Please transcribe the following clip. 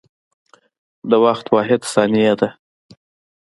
د وخت واحد ثانیه ده.